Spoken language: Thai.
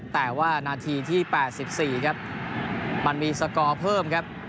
แต่ว่านาธีที่แปดสิบสี่ครับมันมีสกอร์เพิ่มครับ